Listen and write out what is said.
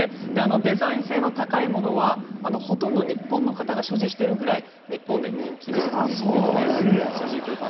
デザイン性の高いものはほとんど日本の方が所持しているぐらい日本で人気なんですよ。